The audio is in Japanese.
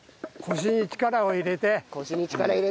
腰に力入れて。